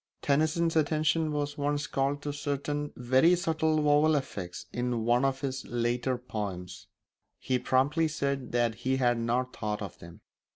Tennyson's attention was once called to certain very subtle vowel effects in one of his later poems; he promptly said that he had not thought of them.